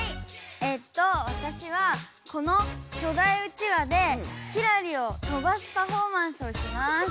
えっとわたしはこの巨大うちわでひらりを飛ばすパフォーマンスをします。